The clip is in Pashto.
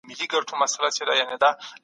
افغان مشرانو د خپلې لارې دفاع وکړه.